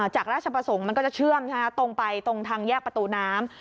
จากราชประสงค์มันก็จะเชื่อมใช่ไหมตรงไปตรงทางแยกประตูน้ำ